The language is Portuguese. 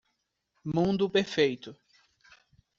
Mundo perfeito.